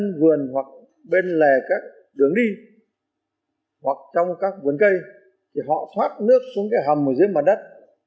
trong vườn hoặc bên lề các đường đi hoặc trong các vườn cây thì họ thoát nước xuống cái hầm ở dưới mặt đất